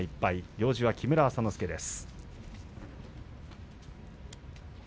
行司は木村朝之助です。